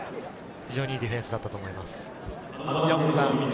いいディフェンスだったと思います。